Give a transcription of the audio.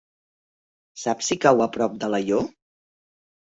Saps si cau a prop d'Alaior?